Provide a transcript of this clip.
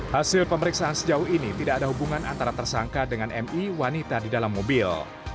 hasil pemeriksaan sejauh ini tidak ada hubungan antara tersangka dengan mi wanita di dalam mobil